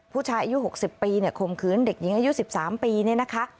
ผู้ชายอายุหกสิบปีเนี่ยคงคืนเด็กหญิงอายุสิบสามปีเนี่ยนะคะ